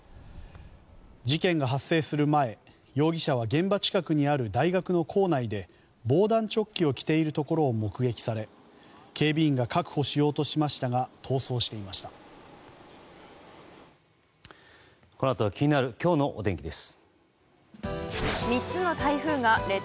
事件が発生する前容疑者は現場近くにある大学の構内で防弾チョッキを着ているところを目撃され警備員が確保しようとしましたが続いてはお天気です。